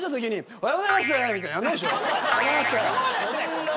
「おはようございます」